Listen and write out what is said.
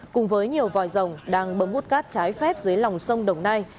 cùng với nhiều vòi rồng đang bấm hút cát trái phép dưới lòng sông đồng nai